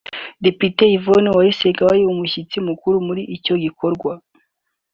Depite Yvonne Uwayisenga wari umushyitsi mukuru muri icyo gikorwa